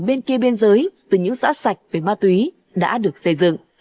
bên kia biên giới từ những xã sạch với ma tuy đã được xây dựng